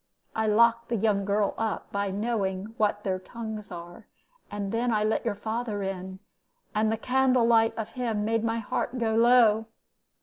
I locked the young girl up, by knowing what their tongues are, and then I let your father in, and the candle sight of him made my heart go low.